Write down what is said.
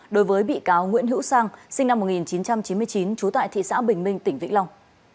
đối với bị cáo nguyễn hữu sang sinh năm một nghìn chín trăm chín mươi chín trú tại thị xã bình minh tỉnh vĩnh long